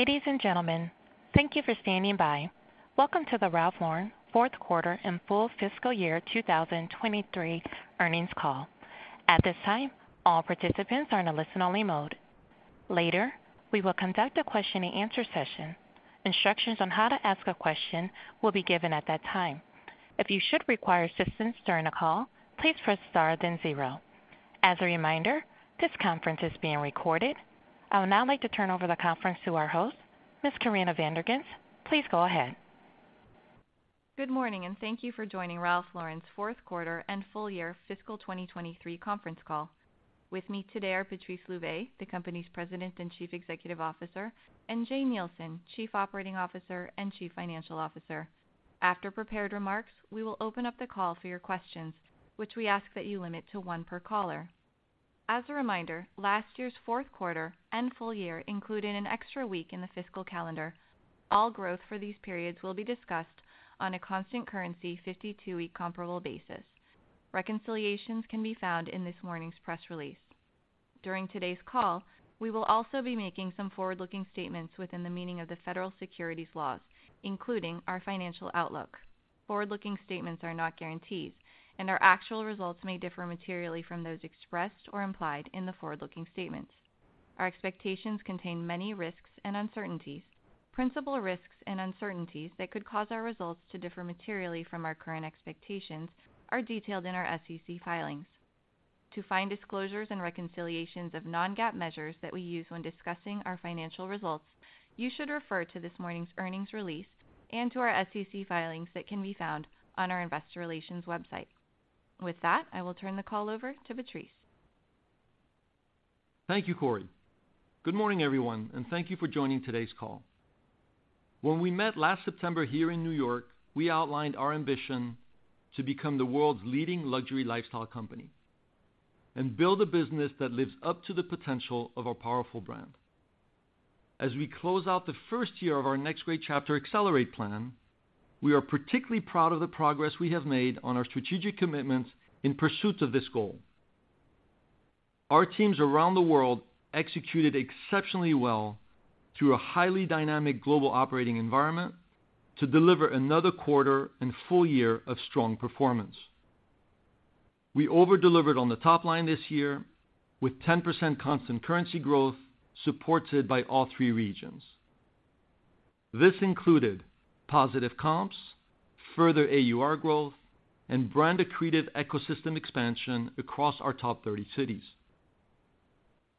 Ladies and gentlemen, thank you for standing by. Welcome to the Ralph Lauren fourth quarter and full fiscal year 2023 earnings call. At this time, all participants are in a listen-only mode. Later, we will conduct a question-and-answer session. Instructions on how to ask a question will be given at that time. If you should require assistance during the call, please press star then zero. As a reminder, this conference is being recorded. I would now like to turn over the conference to our host, Ms. Corinna Van der Ghinst. Please go ahead. Good morning, thank you for joining Ralph Lauren's fourth quarter and full year fiscal 2023 conference call. With me today are Patrice Louvet, the company's President and Chief Executive Officer, and Jane Nielsen, Chief Operating Officer and Chief Financial Officer. After prepared remarks, we will open up the call for your questions, which we ask that you limit to one per caller. As a reminder, last year's fourth quarter and full year included an extra week in the fiscal calendar. All growth for these periods will be discussed on a constant currency, 52-week comparable basis. Reconciliations can be found in this morning's press release. During today's call, we will also be making some forward-looking statements within the meaning of the federal securities laws, including our financial outlook. Forward-looking statements are not guarantees, and our actual results may differ materially from those expressed or implied in the forward-looking statements. Our expectations contain many risks and uncertainties. Principal risks and uncertainties that could cause our results to differ materially from our current expectations are detailed in our SEC filings. To find disclosures and reconciliations of non-GAAP measures that we use when discussing our financial results, you should refer to this morning's earnings release and to our SEC filings that can be found on our investor relations website. With that, I will turn the call over to Patrice. Thank you, Cori. Good morning, everyone, thank you for joining today's call. When we met last September here in New York, we outlined our ambition to become the world's leading luxury lifestyle company and build a business that lives up to the potential of our powerful brand. As we close out the first year of our Next Great Chapter: Accelerate plan, we are particularly proud of the progress we have made on our strategic commitments in pursuit of this goal. Our teams around the world executed exceptionally well through a highly dynamic global operating environment to deliver another quarter and full year of strong performance. We over-delivered on the top line this year with 10% constant currency growth, supported by all three regions. This included positive comps, further AUR growth, and brand accretive ecosystem expansion across our top 30 cities.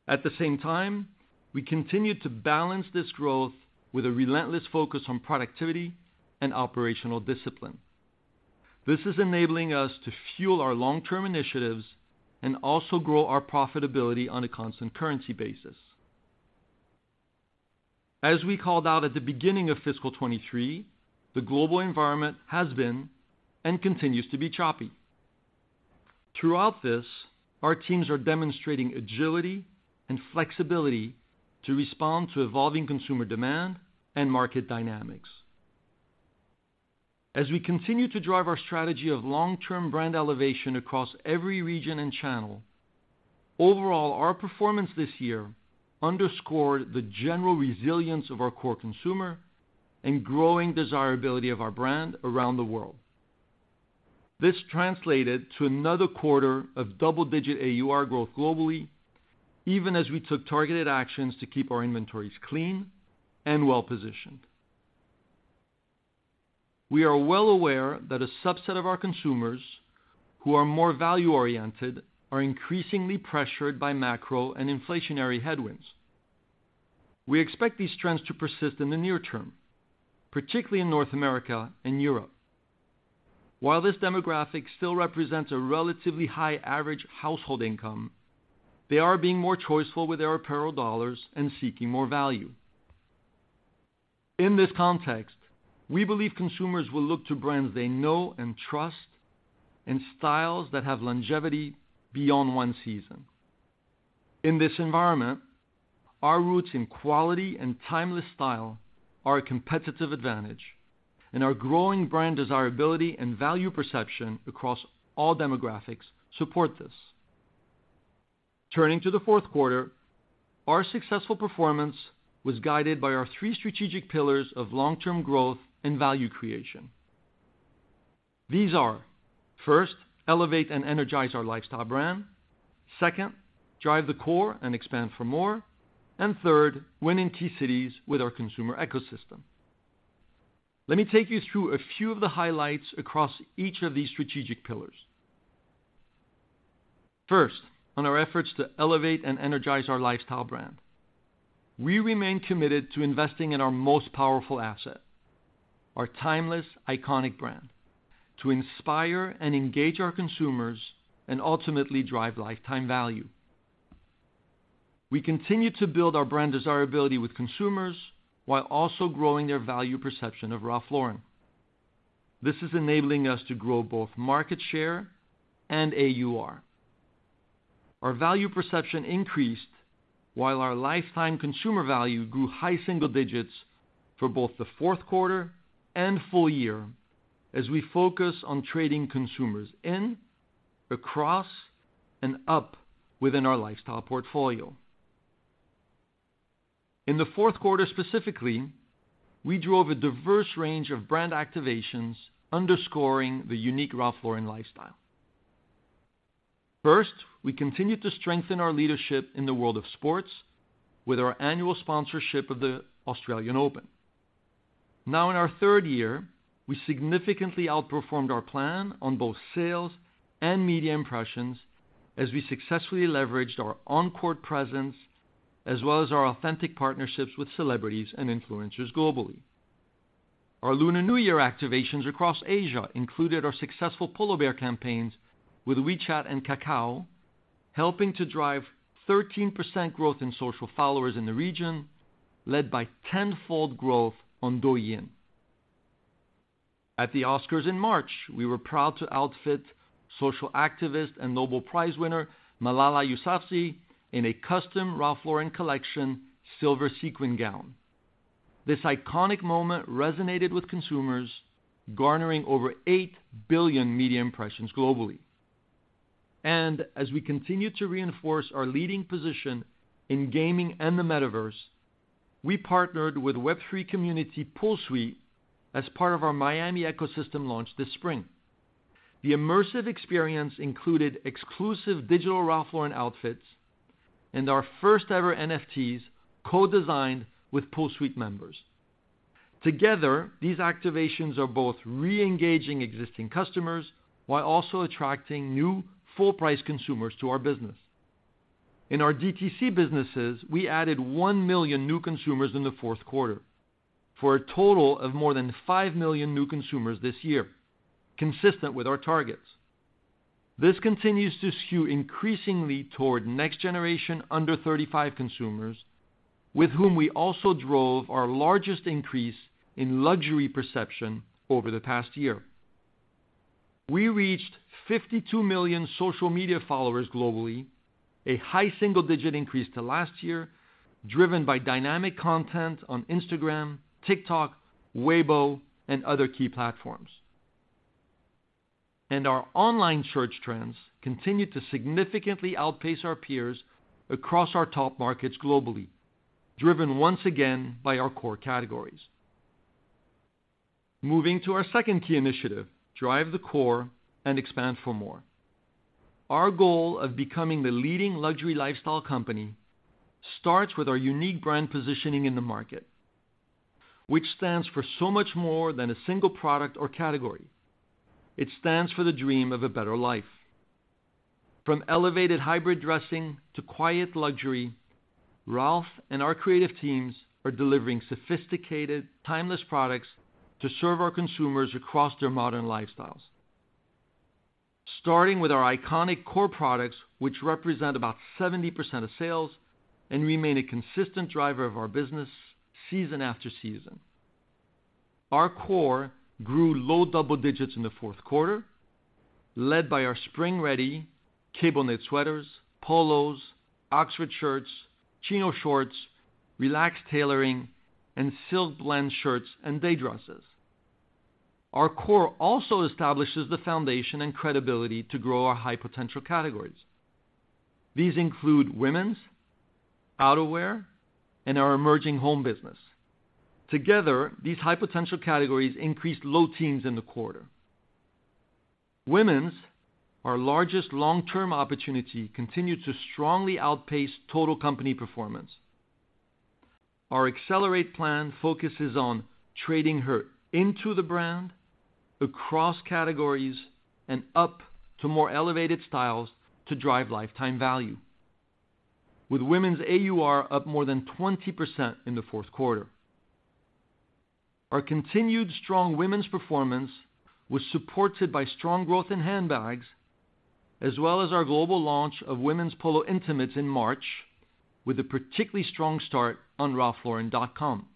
At the same time, we continued to balance this growth with a relentless focus on productivity and operational discipline. This is enabling us to fuel our long-term initiatives and also grow our profitability on a constant currency basis. As we called out at the beginning of fiscal 2023, the global environment has been and continues to be choppy. Throughout this, our teams are demonstrating agility and flexibility to respond to evolving consumer demand and market dynamics. As we continue to drive our strategy of long-term brand elevation across every region and channel, overall, our performance this year underscored the general resilience of our core consumer and growing desirability of our brand around the world. This translated to another quarter of double-digit AUR growth globally, even as we took targeted actions to keep our inventories clean and well-positioned. We are well aware that a subset of our consumers who are more value-oriented are increasingly pressured by macro and inflationary headwinds. We expect these trends to persist in the near term, particularly in North America and Europe. While this demographic still represents a relatively high average household income, they are being more choiceful with their apparel dollars and seeking more value. In this context, we believe consumers will look to brands they know and trust, and styles that have longevity beyond one season. In this environment, our roots in quality and timeless style are a competitive advantage, and our growing brand desirability and value perception across all demographics support this. Turning to the fourth quarter, our successful performance was guided by our three strategic pillars of long-term growth and value creation. These are, first, elevate and energize our lifestyle brand; second, drive the core and expand for more; and third, win in key cities with our consumer ecosystem. Let me take you through a few of the highlights across each of these strategic pillars. First, on our efforts to elevate and energize our lifestyle brand. We remain committed to investing in our most powerful asset, our timeless, iconic brand, to inspire and engage our consumers and ultimately drive lifetime value. We continue to build our brand desirability with consumers while also growing their value perception of Ralph Lauren. This is enabling us to grow both market share and AUR. Our value perception increased, while our lifetime consumer value grew high single digits for both the fourth quarter and full year as we focus on trading consumers in and out across and up within our lifestyle portfolio. In the fourth quarter specifically, we drove a diverse range of brand activations underscoring the unique Ralph Lauren lifestyle. Now in our third year, we significantly outperformed our plan on both sales and media impressions as we successfully leveraged our on-court presence, as well as our authentic partnerships with celebrities and influencers globally. Our Lunar New Year activations across Asia included our successful Polo Bear campaigns with WeChat and Kakao, helping to drive 13% growth in social followers in the region, led by 10-fold growth on Douyin. At the Oscars in March, we were proud to outfit social activist and Nobel Prize winner, Malala Yousafzai, in a custom Ralph Lauren Collection silver sequin gown. This iconic moment resonated with consumers, garnering over 8 billion media impressions globally. As we continue to reinforce our leading position in gaming and the metaverse, we partnered with Web3 community Poolsuite as part of our Miami ecosystem launch this spring. The immersive experience included exclusive digital Ralph Lauren outfits and our first-ever NFTs co-designed with Poolsuite members. Together, these activations are both reengaging existing customers while also attracting new full-price consumers to our business. In our DTC businesses, we added 1 million new consumers in the fourth quarter, for a total of more than 5 million new consumers this year, consistent with our targets. This continues to skew increasingly toward next generation under 35 consumers, with whom we also drove our largest increase in luxury perception over the past year. We reached 52 million social media followers globally, a high single-digit increase to last year, driven by dynamic content on Instagram, TikTok, Weibo, and other key platforms. Our online search trends continued to significantly outpace our peers across our top markets globally, driven once again by our core categories. Moving to our second key initiative, drive the core and expand for more. Our goal of becoming the leading luxury lifestyle company starts with our unique brand positioning in the market, which stands for so much more than a single product or category. It stands for the dream of a better life. From elevated hybrid dressing to quiet luxury, Ralph and our creative teams are delivering sophisticated, timeless products to serve our consumers across their modern lifestyles. Starting with our iconic core products, which represent about 70% of sales and remain a consistent driver of our business season after season. Our core grew low double digits in the fourth quarter, led by our spring-ready cable knit sweaters, polos, Oxford shirts, chino shorts, relaxed tailoring, and silk blend shirts and day dresses. Our core also establishes the foundation and credibility to grow our high-potential categories. These include women's, outerwear, and our emerging home business. Together, these high-potential categories increased low teens in the quarter. Women's, our largest long-term opportunity, continued to strongly outpace total company performance. Our accelerate plan focuses on trading her into the brand, across categories, and up to more elevated styles to drive lifetime value, with women's AUR up more than 20% in the fourth quarter. Our continued strong women's performance was supported by strong growth in handbags, as well as our global launch of women's Polo intimates in March, with a particularly strong start on ralphlauren.com.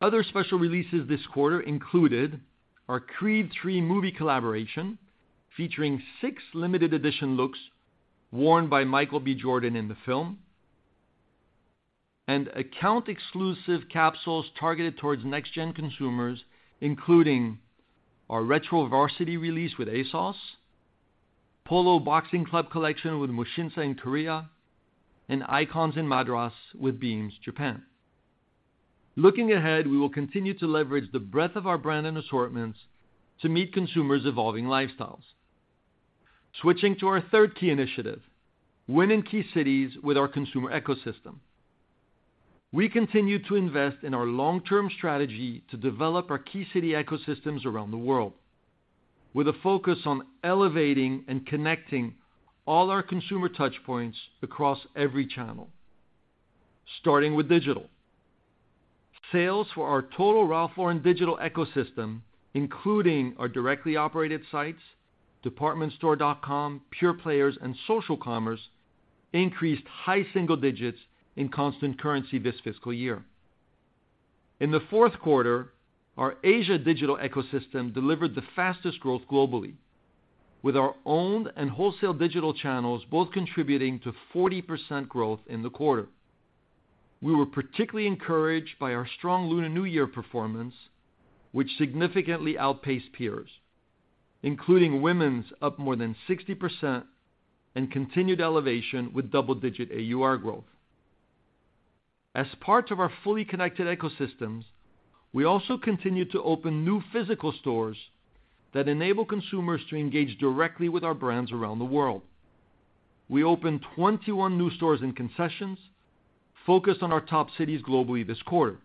Other special releases this quarter included our Creed III movie collaboration, featuring six limited edition looks worn by Michael B. Jordan in the film, and account exclusive capsules targeted towards next-gen consumers, including our retro varsity release with ASOS, Polo Boxing Club collection with Musinsa in Korea, and Icons in Madras with Beams, Japan. Looking ahead, we will continue to leverage the breadth of our brand and assortments to meet consumers' evolving lifestyles. Switching to our third key initiative, win in key cities with our consumer ecosystem. We continue to invest in our long-term strategy to develop our key city ecosystems around the world, with a focus on elevating and connecting all our consumer touch points across every channel, starting with digital. Sales for our total Ralph Lauren digital ecosystem, including our directly operated sites, departmentstore.com, pure players, and social commerce, increased high single digits in constant currency this fiscal year. In the fourth quarter, our Asia digital ecosystem delivered the fastest growth globally, with our own and wholesale digital channels both contributing to 40% growth in the quarter. We were particularly encouraged by our strong Lunar New Year performance, which significantly outpaced peers, including women's, up more than 60%, and continued elevation with double-digit AUR growth. As part of our fully connected ecosystems, we also continued to open new physical stores that enable consumers to engage directly with our brands around the world. We opened 21 new stores and concessions, focused on our top cities globally this quarter,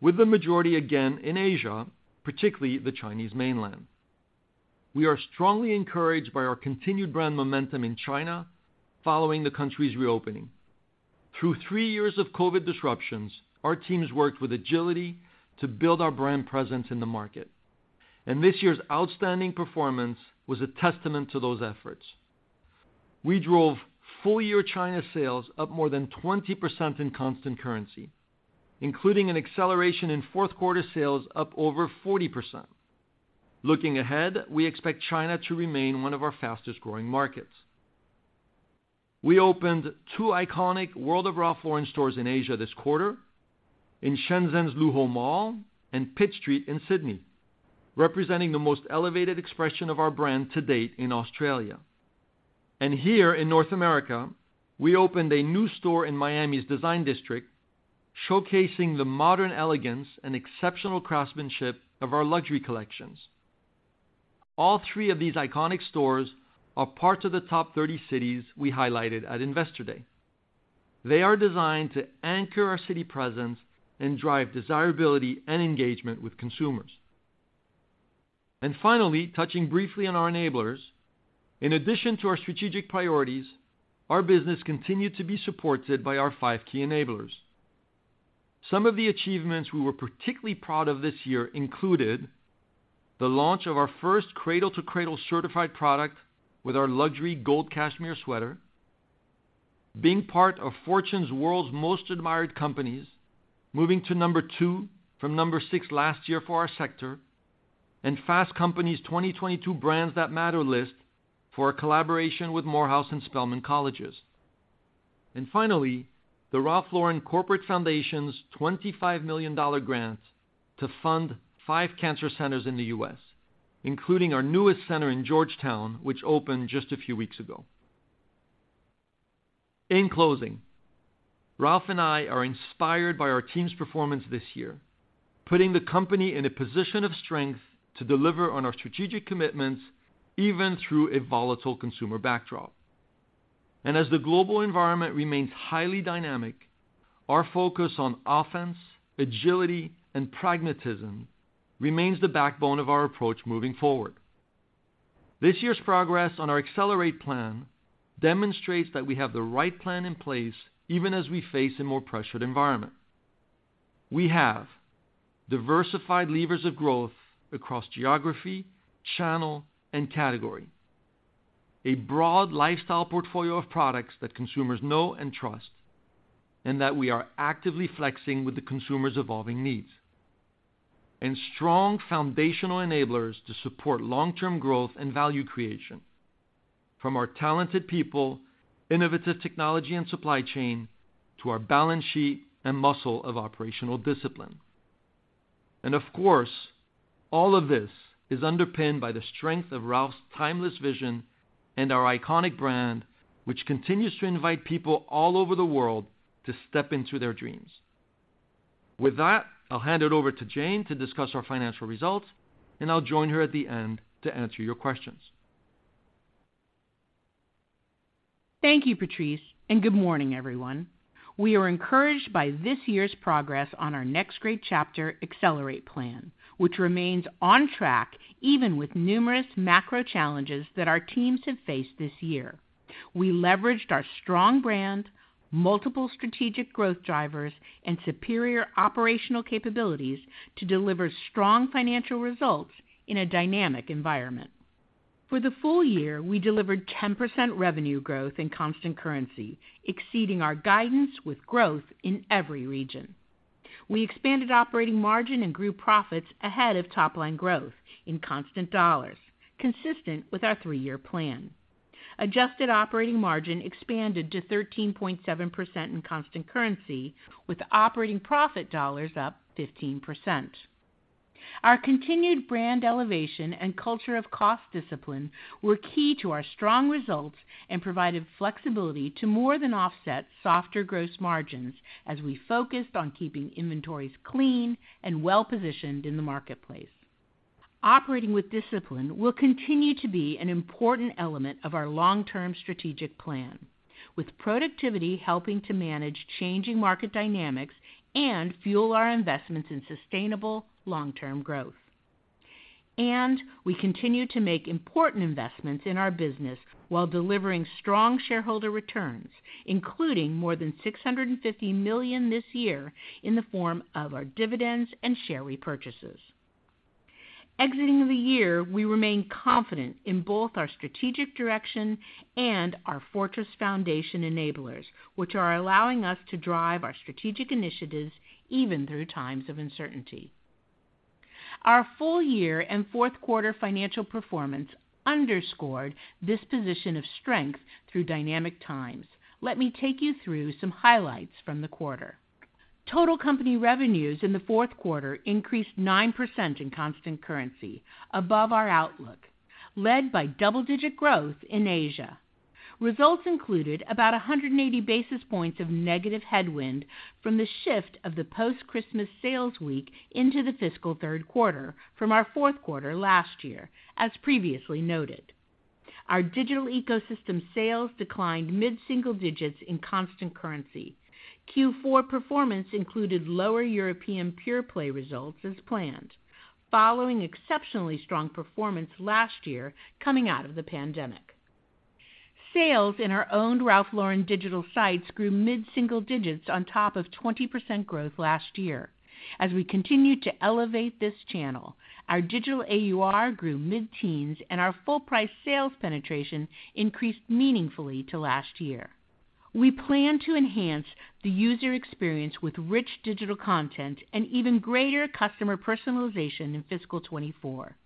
with the majority again in Asia, particularly the Chinese mainland. We are strongly encouraged by our continued brand momentum in China following the country's reopening. Through three years of COVID disruptions, our teams worked with agility to build our brand presence in the market, and this year's outstanding performance was a testament to those efforts. We drove full-year China sales up more than 20% in constant currency, including an acceleration in fourth quarter sales, up over 40%. Looking ahead, we expect China to remain one of our fastest-growing markets. We opened two iconic World of Ralph Lauren stores in Asia this quarter, in Shenzhen's Luohu Mall and Pitt Street in Sydney, representing the most elevated expression of our brand to date in Australia. Here in North America, we opened a new store in Miami's Design District, showcasing the modern elegance and exceptional craftsmanship of our luxury collections. All three of these iconic stores are parts of the top 30 cities we highlighted at Investor Day. They are designed to anchor our city presence and drive desirability and engagement with consumers. Finally, touching briefly on our enablers, in addition to our strategic priorities, our business continued to be supported by our five key enablers. Some of the achievements we were particularly proud of this year included: the launch of our first Cradle to Cradle Certified product with our luxury gold cashmere sweater, being part of Fortune's World's Most Admired Companies, moving to number two from number six last year for our sector, and Fast Company's 2022 Brands That Matter list for a collaboration with Morehouse and Spelman Colleges. Finally, the Ralph Lauren Corporate Foundation's $25 million grant to fund five cancer centers in the U.S., including our newest center in Georgetown, which opened just a few weeks ago. In closing, Ralph and I are inspired by our team's performance this year, putting the company in a position of strength to deliver on our strategic commitments, even through a volatile consumer backdrop. As the global environment remains highly dynamic, our focus on offense, agility, and pragmatism remains the backbone of our approach moving forward. This year's progress on our Accelerate plan demonstrates that we have the right plan in place, even as we face a more pressured environment. We have diversified levers of growth across geography, channel, and category, a broad lifestyle portfolio of products that consumers know and trust, and that we are actively flexing with the consumer's evolving needs. Strong foundational enablers to support long-term growth and value creation from our talented people, innovative technology, and supply chain, to our balance sheet and muscle of operational discipline. Of course, all of this is underpinned by the strength of Ralph's timeless vision and our iconic brand, which continues to invite people all over the world to step into their dreams. With that, I'll hand it over to Jane to discuss our financial results, and I'll join her at the end to answer your questions. Thank you, Patrice. Good morning, everyone. We are encouraged by this year's progress on our Next Great Chapter: Accelerate plan, which remains on track even with numerous macro challenges that our teams have faced this year. We leveraged our strong brand, multiple strategic growth drivers, and superior operational capabilities to deliver strong financial results in a dynamic environment. For the full year, we delivered 10% revenue growth in constant currency, exceeding our guidance with growth in every region. We expanded operating margin and grew profits ahead of top-line growth in constant dollars, consistent with our three-year plan. Adjusted operating margin expanded to 13.7% in constant currency, with operating profit dollars up 15%. Our continued brand elevation and culture of cost discipline were key to our strong results and provided flexibility to more than offset softer gross margins as we focused on keeping inventories clean and well-positioned in the marketplace. Operating with discipline will continue to be an important element of our long-term strategic plan, with productivity helping to manage changing market dynamics and fuel our investments in sustainable long-term growth. We continue to make important investments in our business while delivering strong shareholder returns, including more than $650 million this year in the form of our dividends and share repurchases. Exiting the year, we remain confident in both our strategic direction and our fortress foundation enablers, which are allowing us to drive our strategic initiatives even through times of uncertainty. Our full year and fourth quarter financial performance underscored this position of strength through dynamic times. Let me take you through some highlights from the quarter. Total company revenues in the fourth quarter increased 9% in constant currency, above our outlook, led by double-digit growth in Asia. Results included about 180 basis points of negative headwind from the shift of the post-Christmas sales week into the fiscal third quarter from our fourth quarter last year, as previously noted. Our digital ecosystem sales declined mid-single digits in constant currency. Q4 performance included lower European pure-play results as planned, following exceptionally strong performance last year coming out of the pandemic. Sales in our own Ralph Lauren digital sites grew mid-single digits on top of 20% growth last year. As we continue to elevate this channel, our digital AUR grew mid-teens, and our full price sales penetration increased meaningfully to last year. We plan to enhance the user experience with rich digital content and even greater customer personalization in fiscal 2024.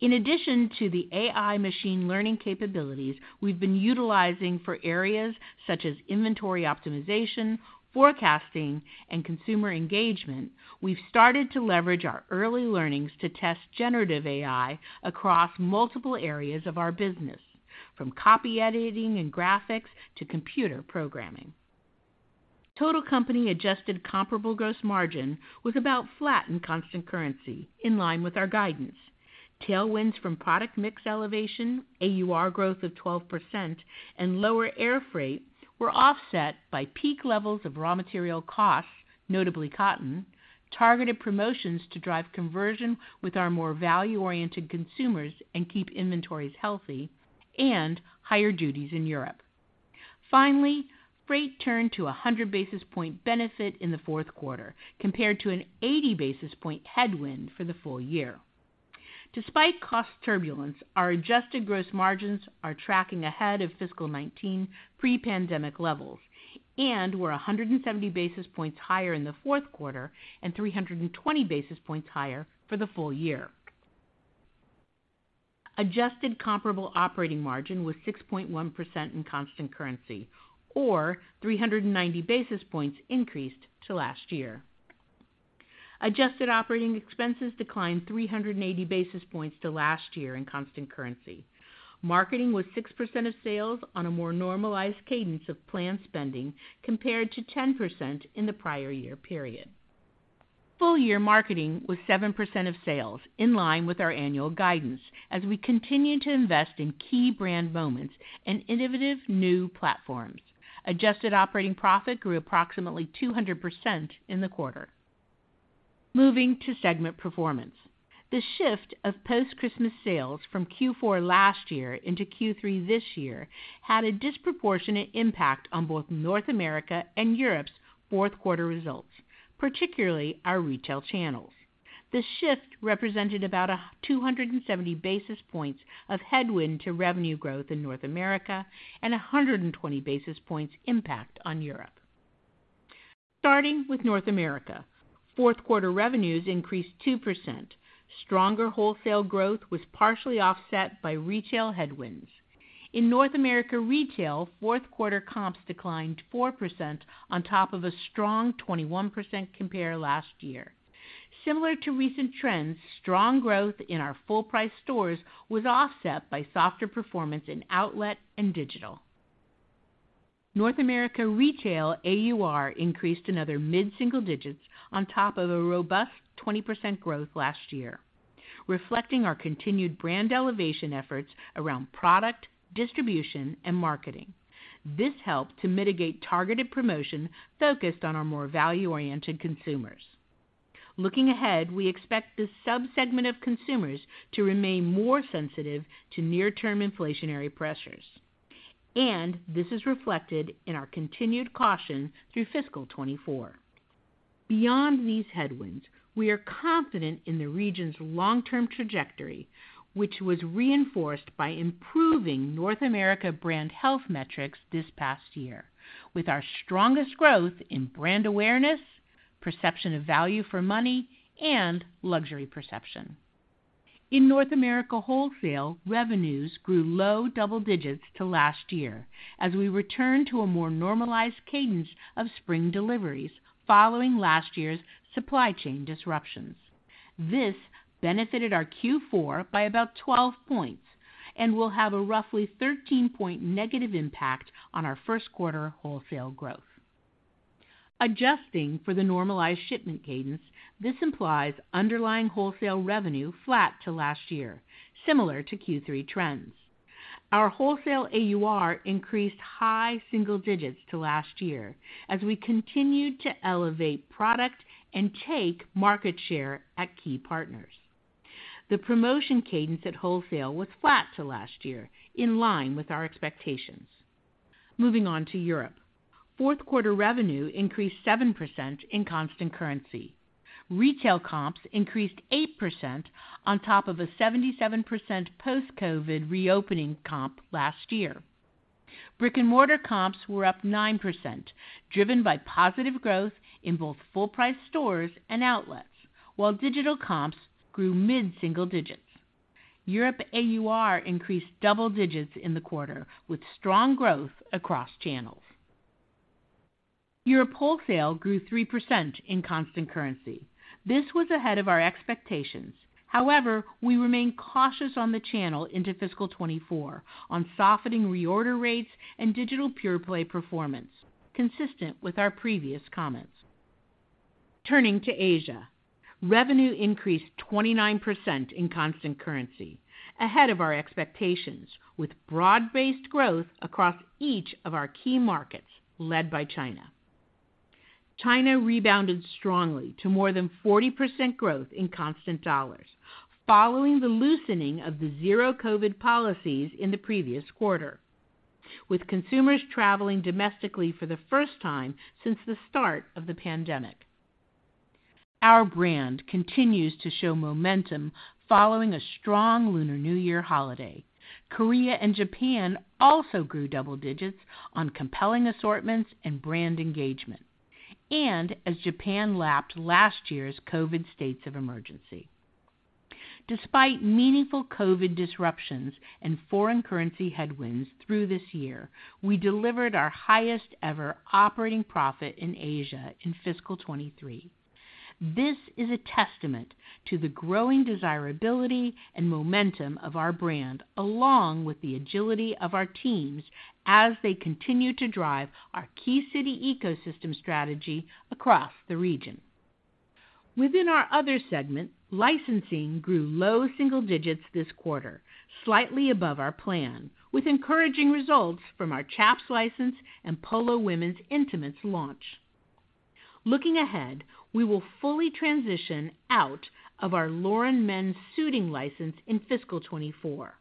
In addition to the AI machine learning capabilities we've been utilizing for areas such as inventory optimization, forecasting, and consumer engagement, we've started to leverage our early learnings to test generative AI across multiple areas of our business, from copyediting and graphics to computer programming. Total company adjusted comparable gross margin was about flat in constant currency, in line with our guidance. Tailwinds from product mix elevation, AUR growth of 12%, and lower air freight were offset by peak levels of raw material costs, notably cotton, targeted promotions to drive conversion with our more value-oriented consumers and keep inventories healthy, and higher duties in Europe. Freight turned to a 100 basis point benefit in the fourth quarter, compared to an 80 basis point headwind for the full year. Despite cost turbulence, our adjusted gross margins are tracking ahead of fiscal 2019 pre-pandemic levels and were 170 basis points higher in the fourth quarter and 320 basis points higher for the full year. Adjusted comparable operating margin was 6.1% in constant currency or 390 basis points increased to last year. Adjusted operating expenses declined 380 basis points to last year in constant currency. Marketing was 6% of sales on a more normalized cadence of planned spending, compared to 10% in the prior year period. Full year marketing was 7% of sales, in line with our annual guidance, as we continued to invest in key brand moments and innovative new platforms. Adjusted operating profit grew approximately 200% in the quarter. Moving to segment performance. The shift of post-Christmas sales from Q4 last year into Q3 this year had a disproportionate impact on both North America and Europe's fourth quarter results, particularly our retail channels. The shift represented about a 270 basis points of headwind to revenue growth in North America and a 120 basis points impact on Europe. Starting with North America, fourth quarter revenues increased 2%. Stronger wholesale growth was partially offset by retail headwinds. In North America retail, fourth quarter comps declined 4% on top of a strong 21% compare last year. Similar to recent trends, strong growth in our full price stores was offset by softer performance in outlet and digital. North America retail AUR increased another mid-single digits on top of a robust 20% growth last year, reflecting our continued brand elevation efforts around product, distribution, and marketing. This helped to mitigate targeted promotion focused on our more value-oriented consumers. Looking ahead, we expect this subsegment of consumers to remain more sensitive to near-term inflationary pressures. This is reflected in our continued caution through fiscal 2024. Beyond these headwinds, we are confident in the region's long-term trajectory, which was reinforced by improving North America brand health metrics this past year, with our strongest growth in brand awareness, perception of value for money, and luxury perception. In North America wholesale, revenues grew low double digits to last year as we returned to a more normalized cadence of spring deliveries following last year's supply chain disruptions. This benefited our Q4 by about 12 points and will have a roughly 13-point negative impact on our first quarter wholesale growth. Adjusting for the normalized shipment cadence, this implies underlying wholesale revenue flat to last year, similar to Q3 trends. Our wholesale AUR increased high single digits to last year as we continued to elevate product and take market share at key partners. The promotion cadence at wholesale was flat to last year, in line with our expectations. Moving on to Europe. Fourth quarter revenue increased 7% in constant currency. Retail comps increased 8% on top of a 77% post-COVID reopening comp last year. Brick-and-mortar comps were up 9%, driven by positive growth in both full-price stores and outlets, while digital comps grew mid-single digits. Europe AUR increased double digits in the quarter, with strong growth across channels. Europe wholesale grew 3% in constant currency. This was ahead of our expectations. We remain cautious on the channel into fiscal 2024 on softening reorder rates and digital pure-play performance, consistent with our previous comments. Turning to Asia, revenue increased 29% in constant currency, ahead of our expectations, with broad-based growth across each of our key markets, led by China. China rebounded strongly to more than 40% growth in constant dollars, following the loosening of the zero-COVID policies in the previous quarter, with consumers traveling domestically for the first time since the start of the pandemic. Our brand continues to show momentum following a strong Lunar New Year holiday. Korea and Japan also grew double digits on compelling assortments and brand engagement, and as Japan lapped last year's COVID states of emergency. Despite meaningful COVID disruptions and foreign currency headwinds through this year, we delivered our highest-ever operating profit in Asia in fiscal 2023. This is a testament to the growing desirability and momentum of our brand, along with the agility of our teams as they continue to drive our key city ecosystem strategy across the region. Within our other segment, licensing grew low single digits this quarter, slightly above our plan, with encouraging results from our Chaps license and Polo women's intimates launch. Looking ahead, we will fully transition out of our Lauren men's suiting license in fiscal 2024.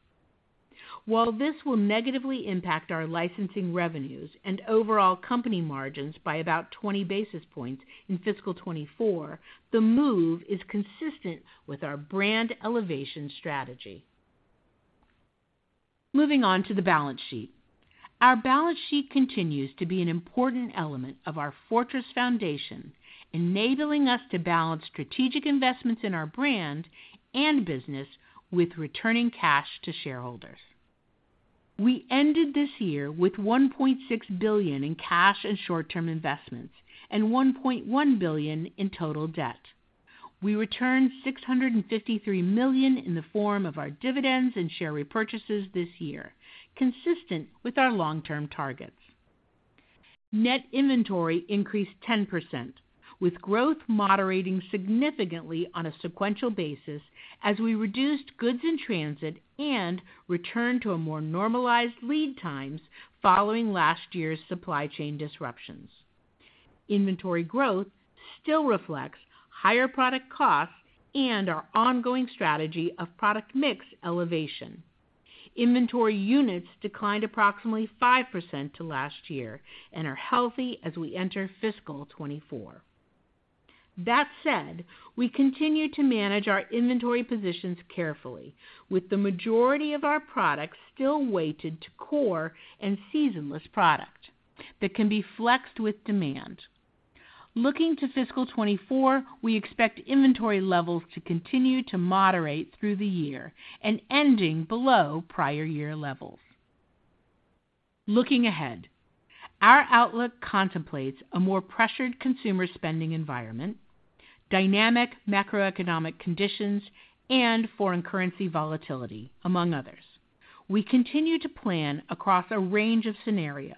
While this will negatively impact our licensing revenues and overall company margins by about 20 basis points in fiscal 2024, the move is consistent with our brand elevation strategy. Moving on to the balance sheet. Our balance sheet continues to be an important element of our fortress foundation, enabling us to balance strategic investments in our brand and business with returning cash to shareholders. We ended this year with $1.6 billion in cash and short-term investments and $1.1 billion in total debt. We returned $653 million in the form of our dividends and share repurchases this year, consistent with our long-term targets. Net inventory increased 10%, with growth moderating significantly on a sequential basis as we reduced goods in transit and returned to a more normalized lead times following last year's supply chain disruptions. Inventory growth still reflects higher product costs and our ongoing strategy of product mix elevation. Inventory units declined approximately 5% to last year and are healthy as we enter fiscal 2024. That said, we continue to manage our inventory positions carefully, with the majority of our products still weighted to core and seasonless product that can be flexed with demand. Looking to fiscal 2024, we expect inventory levels to continue to moderate through the year and ending below prior year levels. Looking ahead, our outlook contemplates a more pressured consumer spending environment, dynamic macroeconomic conditions, and foreign currency volatility, among others. We continue to plan across a range of scenarios,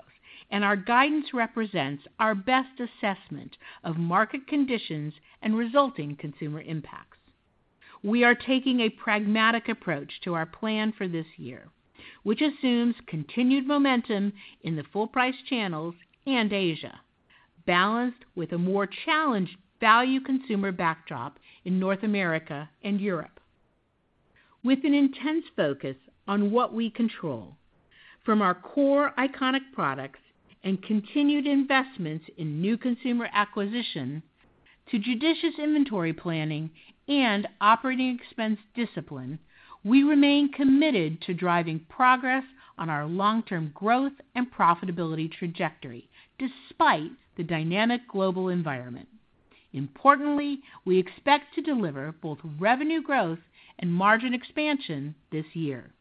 and our guidance represents our best assessment of market conditions and resulting consumer impacts. We are taking a pragmatic approach to our plan for this year, which assumes continued momentum in the full-price channels and Asia, balanced with a more challenged value consumer backdrop in North America and Europe. With an intense focus on what we control, from our core iconic products and continued investments in new consumer acquisition to judicious inventory planning and operating expense discipline, we remain committed to driving progress on our long-term growth and profitability trajectory, despite the dynamic global environment. Importantly, we expect to deliver both revenue growth and margin expansion this year.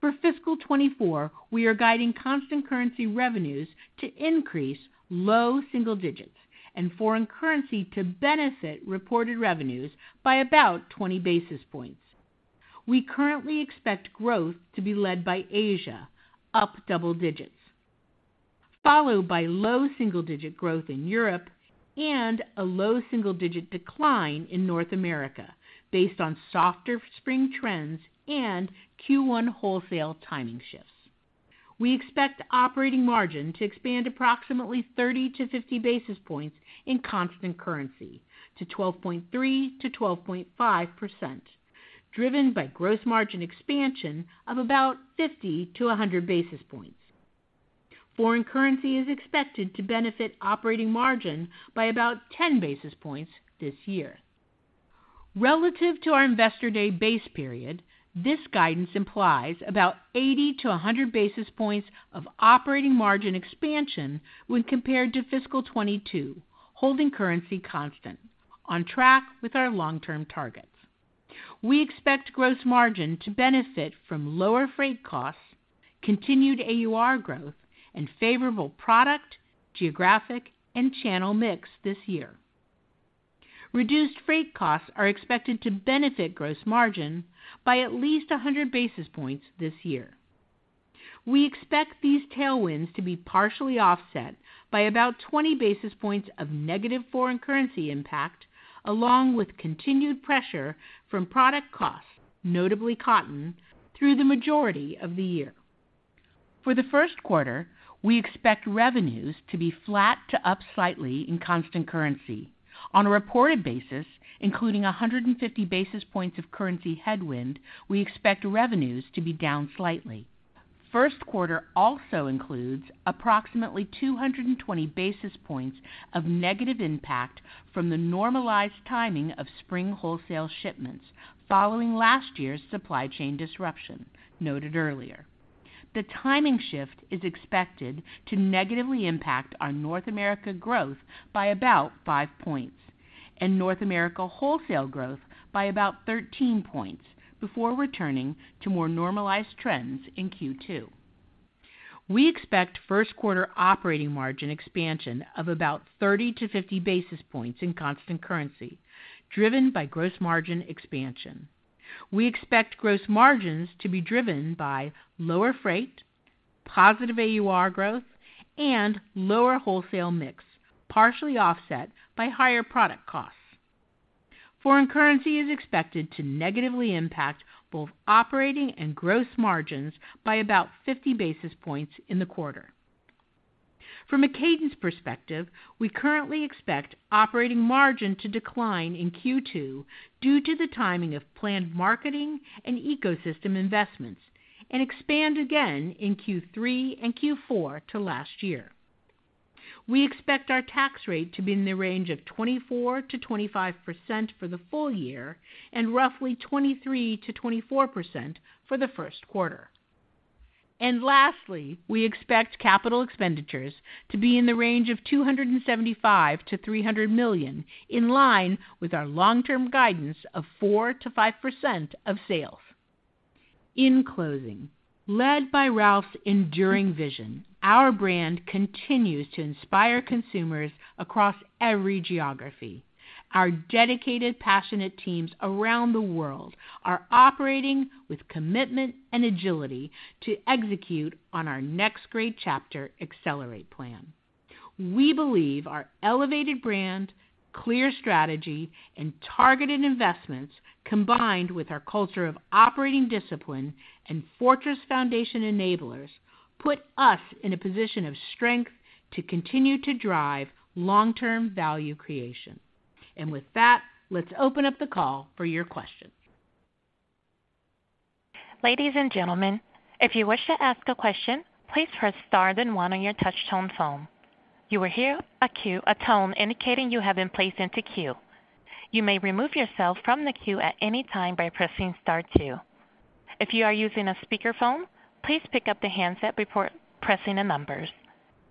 For fiscal 2024, we are guiding constant currency revenues to increase low single digits and foreign currency to benefit reported revenues by about 20 basis points. We currently expect growth to be led by Asia, up double digits, followed by low single-digit growth in Europe and a low single-digit decline in North America, based on softer spring trends and Q1 wholesale timing shifts. We expect operating margin to expand approximately 30 to 50 basis points in constant currency to 12.3% -12.5%, driven by gross margin expansion of about 50 to 100 basis points. Foreign currency is expected to benefit operating margin by about 10 basis points this year. Relative to our Investor Day base period, this guidance implies about 80 to 100 basis points of operating margin expansion when compared to fiscal 2022, holding currency constant, on track with our long-term targets. We expect gross margin to benefit from lower freight costs, continued AUR growth, and favorable product, geographic, and channel mix this year. Reduced freight costs are expected to benefit gross margin by at least 100 basis points this year. We expect these tailwinds to be partially offset by about 20 basis points of negative foreign currency impact, along with continued pressure from product costs, notably cotton, through the majority of the year. For the first quarter, we expect revenues to be flat to up slightly in constant currency. On a reported basis, including 150 basis points of currency headwind, we expect revenues to be down slightly. First quarter also includes approximately 220 basis points of negative impact from the normalized timing of spring wholesale shipments following last year's supply chain disruption, noted earlier. The timing shift is expected to negatively impact our North America growth by about 5 points, and North America wholesale growth by about 13 points, before returning to more normalized trends in Q2. We expect first quarter operating margin expansion of about 30 to 50 basis points in constant currency, driven by gross margin expansion. We expect gross margins to be driven by lower freight, positive AUR growth, and lower wholesale mix, partially offset by higher product costs. Foreign currency is expected to negatively impact both operating and gross margins by about 50 basis points in the quarter. From a cadence perspective, we currently expect operating margin to decline in Q2 due to the timing of planned marketing and ecosystem investments, and expand again in Q3 and Q4 to last year. We expect our tax rate to be in the range of 24%-25% for the full year and roughly 23%-24% for the first quarter. Lastly, we expect capital expenditures to be in the range of $275 million-$300 million, in line with our long-term guidance of 4%-5% of sales. In closing, led by Ralph's enduring vision, our brand continues to inspire consumers across every geography. Our dedicated, passionate teams around the world are operating with commitment and agility to execute on our Next Great Chapter: Accelerate plan. We believe our elevated brand, clear strategy, and targeted investments, combined with our culture of operating discipline and fortress foundation enablers, put us in a position of strength to continue to drive long-term value creation. With that, let's open up the call for your questions. Ladies and gentlemen, if you wish to ask a question, please press star, then one on your touch-tone phone. You will hear a tone indicating you have been placed into queue. You may remove yourself from the queue at any time by pressing star two. If you are using a speakerphone, please pick up the handset before pressing the numbers.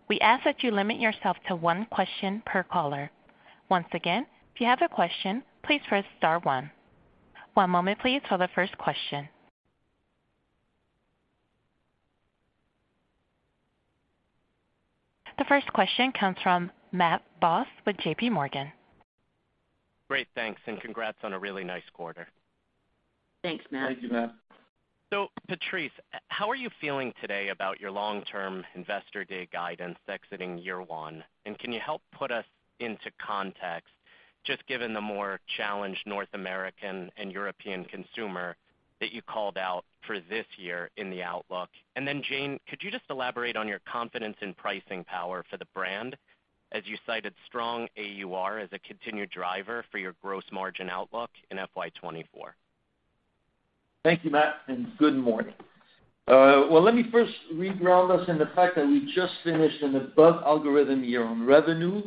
We ask that you limit yourself to one question per caller. Once again, if you have a question, please press star one. One moment please for the first question. The first question comes from Matthew Boss with JPMorgan. Great, thanks, congrats on a really nice quarter. Thanks, Matt. Thank you, Matt. Patrice, how are you feeling today about your long-term Investor Day guidance exiting year one? Can you help put us into context, just given the more challenged North American and European consumer that you called out for this year in the outlook? Then, Jane, could you just elaborate on your confidence in pricing power for the brand, as you cited strong AUR as a continued driver for your gross margin outlook in FY 2024? Thank you, Matt, and good morning. Well, let me first reground us in the fact that we just finished an above algorithm year on revenue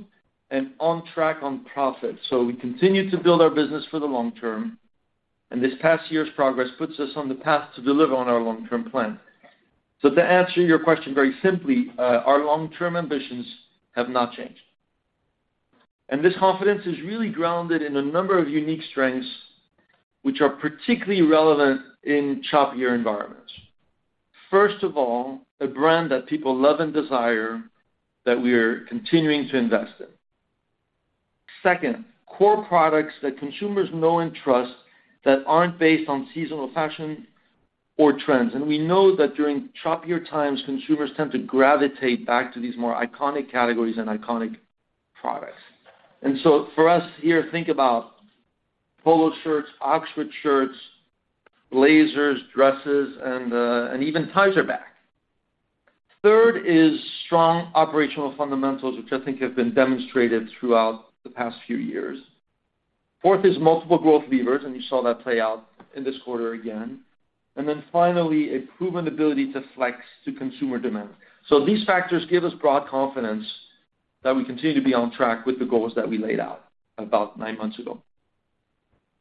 and on track on profit. We continue to build our business for the long term, and this past year's progress puts us on the path to deliver on our long-term plan. To answer your question very simply, our long-term ambitions have not changed. This confidence is really grounded in a number of unique strengths, which are particularly relevant in choppier environments. First of all, a brand that people love and desire, that we are continuing to invest in. Second, core products that consumers know and trust, that aren't based on seasonal fashion or trends. We know that during choppier times, consumers tend to gravitate back to these more iconic categories and iconic products. For us here, think about Polo shirts, Oxford shirts, blazers, dresses, and even ties are back. Third is strong operational fundamentals, which I think have been demonstrated throughout the past few years. Fourth is multiple growth levers, and you saw that play out in this quarter again. Finally, a proven ability to flex to consumer demand. These factors give us broad confidence that we continue to be on track with the goals that we laid out about nine months ago.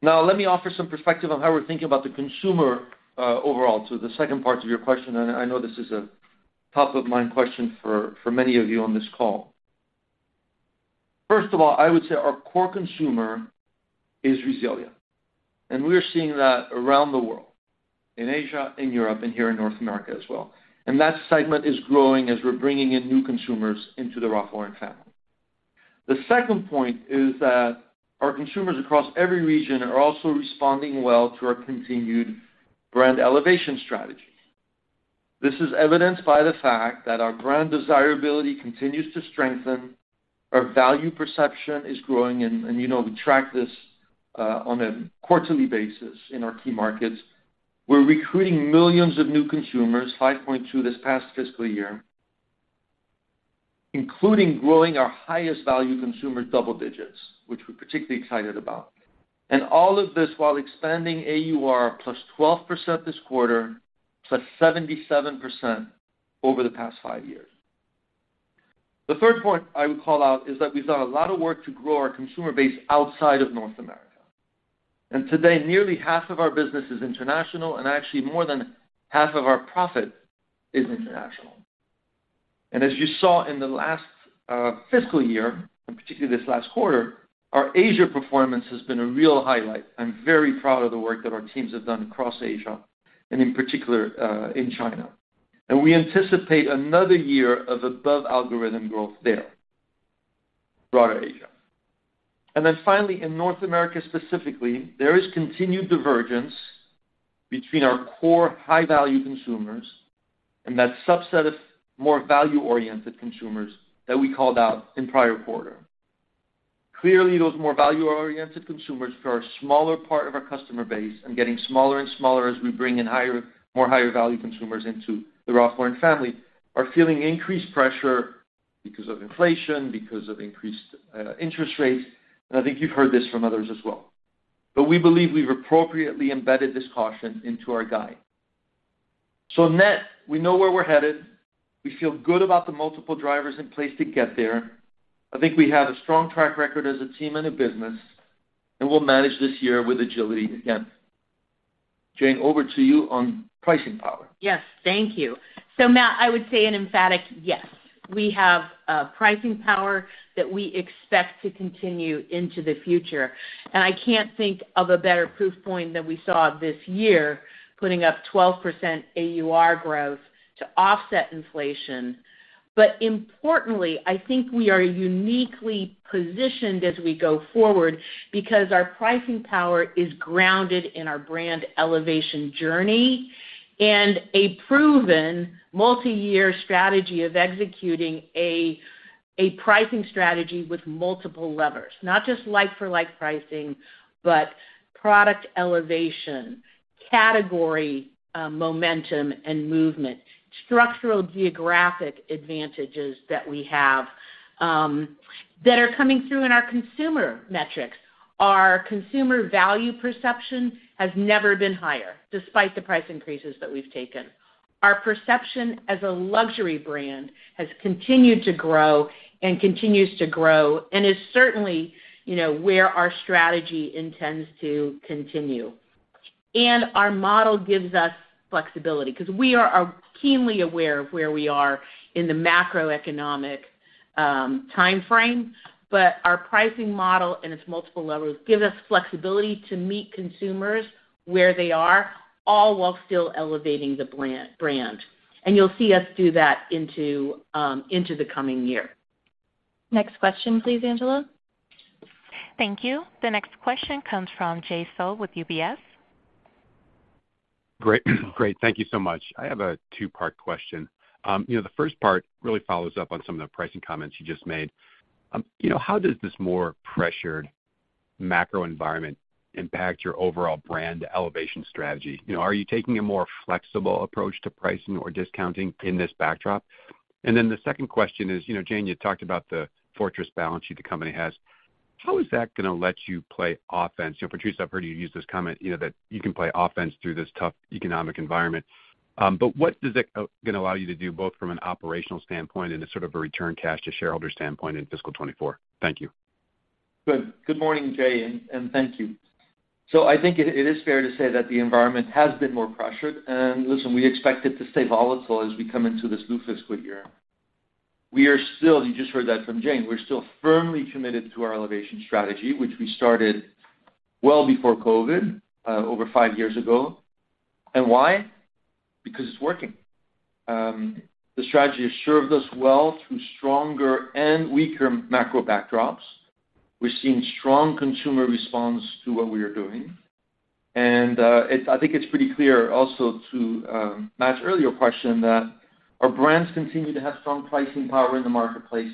Now, let me offer some perspective on how we're thinking about the consumer overall, to the second part of your question, and I know this is a top-of-mind question for many of you on this call. First of all, I would say our core consumer is resilient, and we are seeing that around the world, in Asia, in Europe, and here in North America as well. That segment is growing as we're bringing in new consumers into the Ralph Lauren family. The second point is that our consumers across every region are also responding well to our continued brand elevation strategy. This is evidenced by the fact that our brand desirability continues to strengthen, our value perception is growing, and, you know, we track this on a quarterly basis in our key markets. We're recruiting millions of new consumers, 5.2 this past fiscal year, including growing our highest value consumer double digits, which we're particularly excited about. All of this while expanding AUR +12% this quarter, +77% over the past five years. The third point I would call out is that we've done a lot of work to grow our consumer base outside of North America. Today, nearly half of our business is international, and actually more than half of our profit is international. As you saw in the last fiscal year, and particularly this last quarter, our Asia performance has been a real highlight. I'm very proud of the work that our teams have done across Asia and, in particular, in China. We anticipate another year of above algorithm growth there, broader Asia. Finally, in North America, specifically, there is continued divergence between our core high-value consumers and that subset of more value-oriented consumers that we called out in prior quarter. Clearly, those more value-oriented consumers, who are a smaller part of our customer base and getting smaller and smaller as we bring in more higher-value consumers into the Ralph Lauren family, are feeling increased pressure because of inflation, because of increased interest rates, and I think you've heard this from others as well. We believe we've appropriately embedded this caution into our guide. Net, we know where we're headed. We feel good about the multiple drivers in place to get there. I think we have a strong track record as a team and a business, and we'll manage this year with agility again. Jane, over to you on pricing power. Yes, thank you. Matt, I would say an emphatic yes. We have pricing power that we expect to continue into the future, and I can't think of a better proof point than we saw this year, putting up 12% AUR growth to offset inflation. Importantly, I think we are uniquely positioned as we go forward because our pricing power is grounded in our brand elevation journey and a proven multiyear strategy of executing a pricing strategy with multiple levers. Not just like-for-like pricing, but product elevation, category momentum and movement, structural geographic advantages that we have that are coming through in our consumer metrics. Our consumer value perception has never been higher, despite the price increases that we've taken. Our perception as a luxury brand has continued to grow and continues to grow, and is certainly, you know, where our strategy intends to continue. Our model gives us flexibility because we are keenly aware of where we are in the macroeconomic time frame, but our pricing model and its multiple levels give us flexibility to meet consumers where they are, all while still elevating the brand. You'll see us do that into the coming year. Next question, please, Angela. Thank you. The next question comes from Jay Sole with UBS. Great, great. Thank you so much. I have a two-part question. you know, the first part really follows up on some of the pricing comments you just made. you know, how does this more pressured macro environment impact your overall brand elevation strategy? You know, are you taking a more flexible approach to pricing or discounting in this backdrop? The second question is, you know, Jane, you talked about the fortress balance sheet the company has. How is that gonna let you play offense? You know, Patrice, I've heard you use this comment, you know, that you can play offense through this tough economic environment. What is it gonna allow you to do, both from an operational standpoint and a sort of a return cash to shareholder standpoint in fiscal 2024? Thank you. Good morning, Jay, and thank you. I think it is fair to say that the environment has been more pressured, and listen, we expect it to stay volatile as we come into this new fiscal year. You just heard that from Jane. We're still firmly committed to our elevation strategy, which we started well before COVID, over five years ago. Why? Because it's working. The strategy has served us well through stronger and weaker macro backdrops. We've seen strong consumer response to what we are doing, and I think it's pretty clear also to Matt's earlier question, that our brands continue to have strong pricing power in the marketplace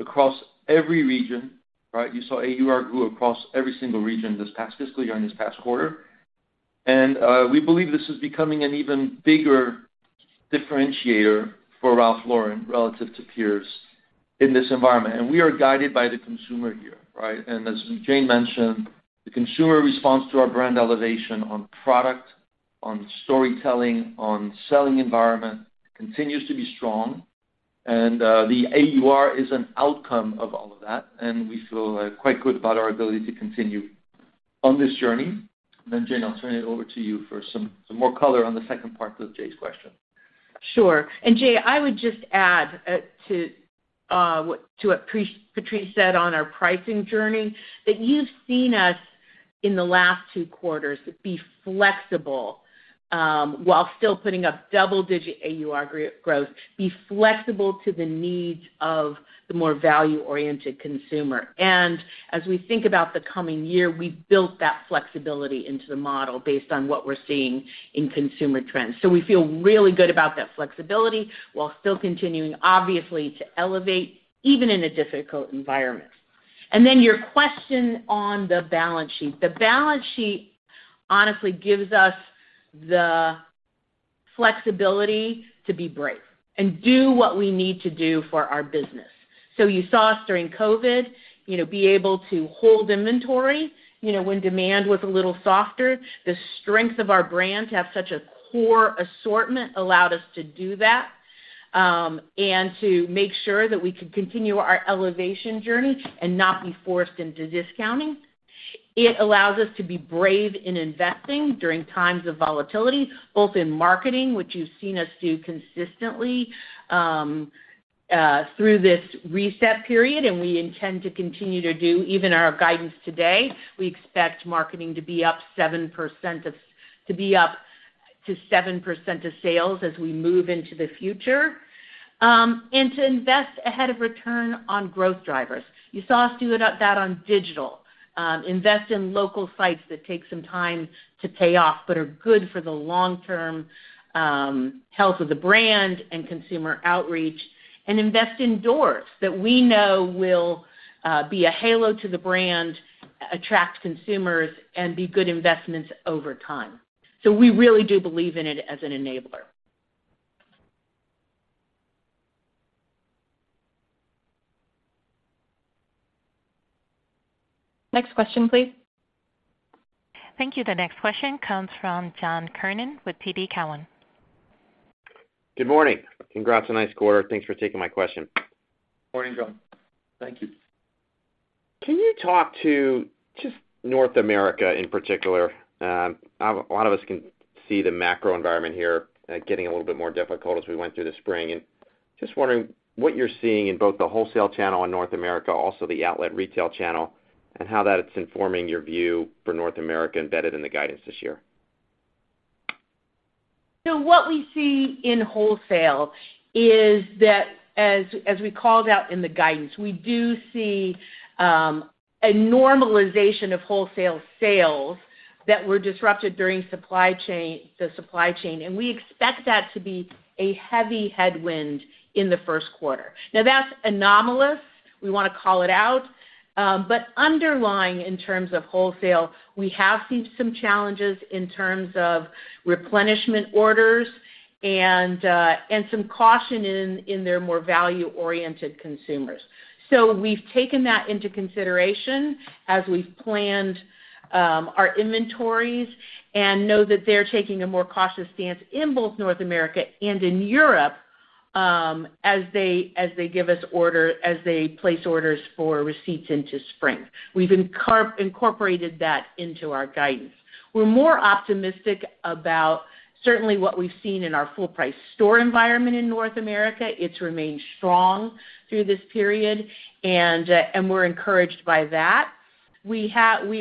across every region, right? You saw AUR grew across every single region this past fiscal year and this past quarter. We believe this is becoming an even bigger differentiator for Ralph Lauren relative to peers in this environment. We are guided by the consumer here, right? As Jane mentioned, the consumer response to our brand elevation on product, on storytelling, on selling environment continues to be strong, and the AUR is an outcome of all of that, and we feel quite good about our ability to continue on this journey. Jane, I'll turn it over to you for some more color on the second part of Jay's question. Sure. Jay, I would just add to what Patrice said on our pricing journey, that you've seen us in the last two quarters, be flexible, while still putting up double-digit AUR growth, be flexible to the needs of the more value-oriented consumer. As we think about the coming year, we've built that flexibility into the model based on what we're seeing in consumer trends. We feel really good about that flexibility, while still continuing, obviously, to elevate, even in a difficult environment. Your question on the balance sheet. The balance sheet honestly gives us the flexibility to be brave and do what we need to do for our business. You saw us during COVID, you know, be able to hold inventory, you know, when demand was a little softer. The strength of our brand to have such a core assortment allowed us to do that, and to make sure that we could continue our elevation journey and not be forced into discounting. It allows us to be brave in investing during times of volatility, both in marketing, which you've seen us do consistently, through this reset period, and we intend to continue to do. Even our guidance today, we expect marketing to be up to 7% of sales as we move into the future, and to invest ahead of return on growth drivers. You saw us do it at that on digital, invest in local sites that take some time to pay off, but are good for the long-term, health of the brand and consumer outreach, and invest in doors that we know will be a halo to the brand, attract consumers, and be good investments over time. We really do believe in it as an enabler. Next question, please. Thank you. The next question comes from John Kernan with TD Cowen. Good morning. Congrats on nice quarter. Thanks for taking my question. Morning, John. Thank you. Can you talk to just North America in particular? A lot of us can see the macro environment here, getting a little bit more difficult as we went through the spring. Just wondering what you're seeing in both the wholesale channel in North America, also the outlet retail channel, and how that's informing your view for North America embedded in the guidance this year. What we see in wholesale is that, as we called out in the guidance, we do see a normalization of wholesale sales that were disrupted during the supply chain, and we expect that to be a heavy headwind in the first quarter. That's anomalous. We wanna call it out, but underlying in terms of wholesale, we have seen some challenges in terms of replenishment orders and some caution in their more value-oriented consumers. We've taken that into consideration as we've planned our inventories and know that they're taking a more cautious stance in both North America and in Europe as they place orders for receipts into spring. We've incorporated that into our guidance. We're more optimistic about certainly what we've seen in our full price store environment in North America. It's remained strong through this period, and we're encouraged by that. We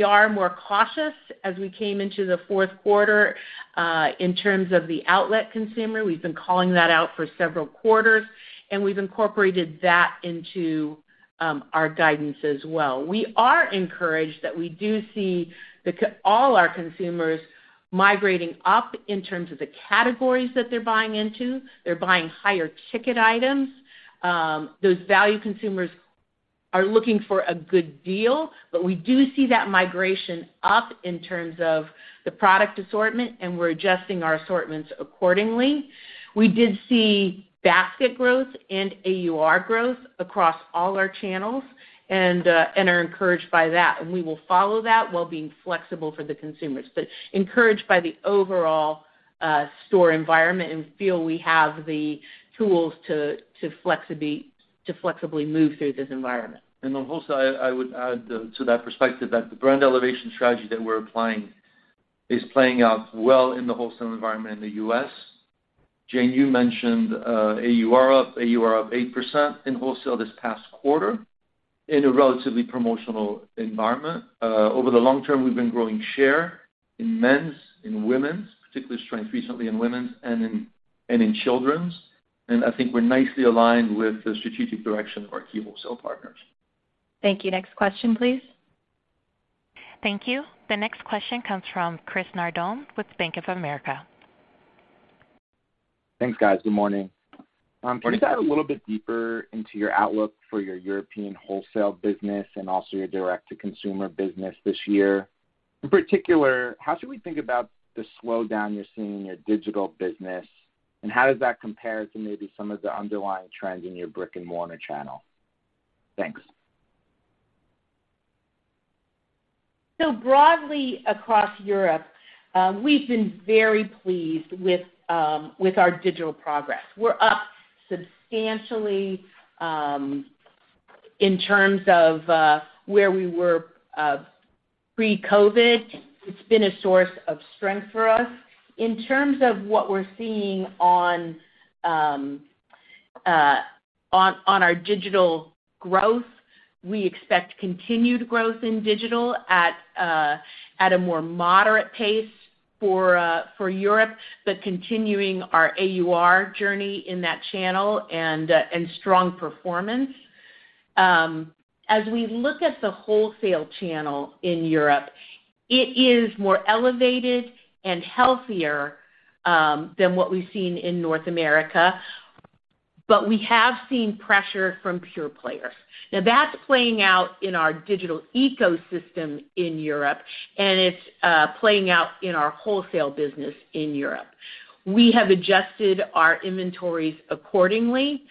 are more cautious as we came into the fourth quarter in terms of the outlet consumer. We've been calling that out for several quarters, and we've incorporated that into our guidance as well. We are encouraged that we do see all our consumers migrating up in terms of the categories that they're buying into. They're buying higher ticket items. Those value consumers are looking for a good deal, but we do see that migration up in terms of the product assortment, and we're adjusting our assortments accordingly. We did see basket growth and AUR growth across all our channels and are encouraged by that, and we will follow that while being flexible for the consumers. Encouraged by the overall, store environment and feel we have the tools to flexibly move through this environment. On wholesale, I would add to that perspective that the brand elevation strategy that we're applying is playing out well in the wholesale environment in the U.S. Jane, you mentioned AUR up. AUR up 8% in wholesale this past quarter in a relatively promotional environment. Over the long term, we've been growing share in men's, in women's, particularly strength recently in women's and in children's. I think we're nicely aligned with the strategic direction of our key wholesale partners. Thank you. Next question, please. Thank you. The next question comes from Chris Nardone with Bank of America. Thanks, guys. Good morning. Morning. Can you dive a little bit deeper into your outlook for your European wholesale business and also your direct-to-consumer business this year? In particular, how should we think about the slowdown you're seeing in your digital business, and how does that compare to maybe some of the underlying trends in your brick-and-mortar channel? Thanks. Broadly across Europe, we've been very pleased with our digital progress. We're up substantially in terms of where we were pre-COVID. It's been a source of strength for us. In terms of what we're seeing on our digital growth, we expect continued growth in digital at a more moderate pace for Europe, but continuing our AUR journey in that channel and strong performance. As we look at the wholesale channel in Europe, it is more elevated and healthier than what we've seen in North America, but we have seen pressure from pure players. That's playing out in our digital ecosystem in Europe, and it's playing out in our wholesale business in Europe. We have adjusted our inventories accordingly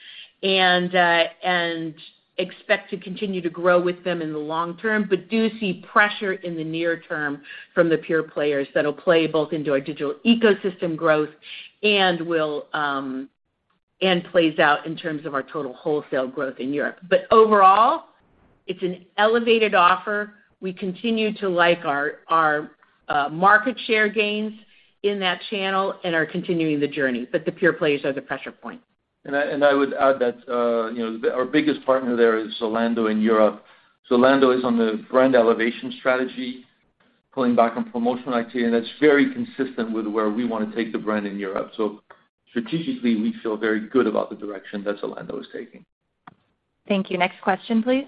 and expect to continue to grow with them in the long term, but do see pressure in the near term from the pure players that'll play both into our digital ecosystem growth and plays out in terms of our total wholesale growth in Europe. Overall, it's an elevated offer. We continue to like our market share gains in that channel and are continuing the journey, but the pure players are the pressure point. I, and I would add that, you know, our biggest partner there is Zalando in Europe. Zalando is on the brand elevation strategy, pulling back on promotional activity. That's very consistent with where we wanna take the brand in Europe. Strategically, we feel very good about the direction that Zalando is taking. Thank you. Next question, please.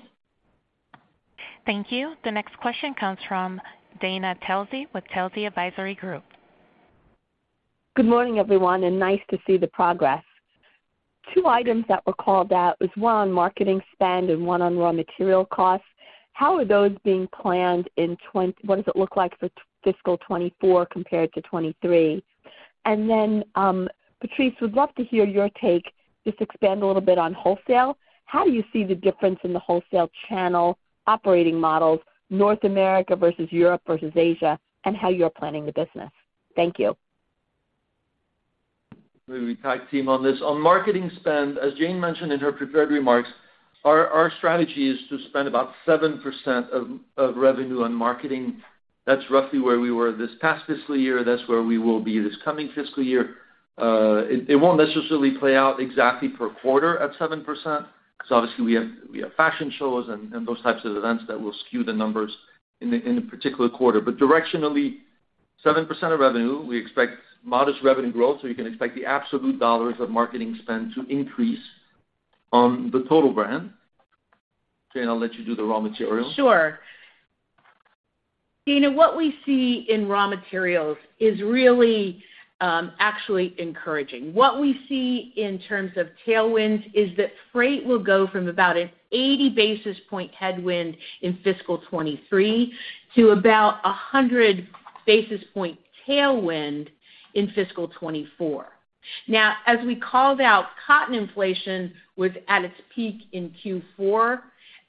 Thank you. The next question comes from Dana Telsey with Telsey Advisory Group. Good morning, everyone. Nice to see the progress. Two items that were called out was one on marketing spend and one on raw material costs. How are those being planned in what does it look like for fiscal 2024 compared to 2023? Patrice, would love to hear your take, just expand a little bit on wholesale. How do you see the difference in the wholesale channel operating models, North America versus Europe versus Asia, and how you're planning the business? Thank you. Maybe we tag team on this. On marketing spend, as Jane mentioned in her prepared remarks, our strategy is to spend about 7% of revenue on marketing. That's roughly where we were this past fiscal year. That's where we will be this coming fiscal year. It won't necessarily play out exactly per quarter at 7%, because obviously, we have fashion shows and those types of events that will skew the numbers in a particular quarter. Directionally, 7% of revenue, we expect modest revenue growth, so you can expect the absolute dollars of marketing spend to increase on the total brand. Jane, I'll let you do the raw material. Sure. Dana, what we see in raw materials is really, actually encouraging. What we see in terms of tailwinds is that freight will go from about an 80 basis point headwind in fiscal 2023 to about a 100 basis point tailwind in fiscal 2024. Now, as we called out, cotton inflation was at its peak in Q4,